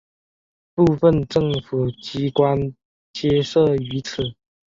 部分政府机关皆设于此。